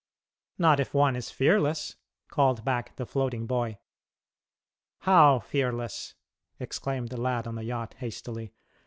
"Not if one is fearless," called back the floating boy. "How; fearless?" exclaimed the lad on the yacht, hastily.